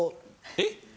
えっ？